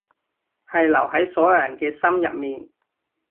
係留喺所有人嘅心入面